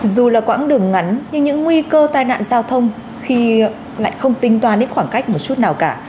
dù là quãng đường ngắn nhưng những nguy cơ tai nạn giao thông khi lại không tính toàn đến khoảng cách một chút nào cả